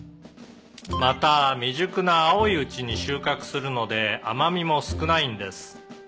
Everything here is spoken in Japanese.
「また未熟な青いうちに収穫するので甘味も少ないんです」